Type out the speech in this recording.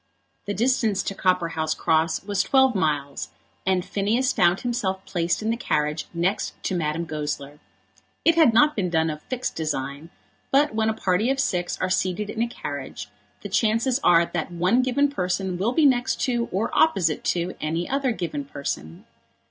The distance to Copperhouse Cross was twelve miles, and Phineas found himself placed in the carriage next to Madame Goesler. It had not been done of fixed design; but when a party of six are seated in a carriage, the chances are that one given person will be next to or opposite to any other given person.